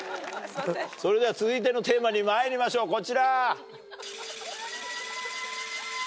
それでは続いてのテーマにまいりましょうこちら！